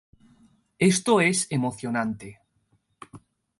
Esto es emocionante!